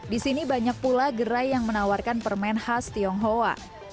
di sini banyak pula gerai yang menawarkan permen khas tionghoa